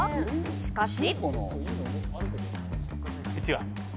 しかし。